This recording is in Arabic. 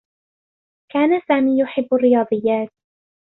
كان سامي يحبّ الرّياضيّات.